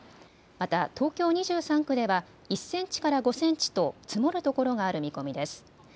また東京２３区では１センチから５センチと積もるところがある見込みです。